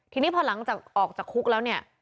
ทีนี้พอหลังจากออกจากคุกแล้วเนี่ย